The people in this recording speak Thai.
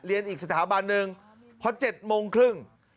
เรียนอีกสถาบันหนึ่งเพราะ๗โมงครึ่ง